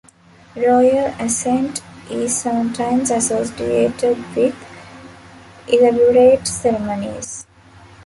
Royal assent is sometimes associated with elaborate ceremonies.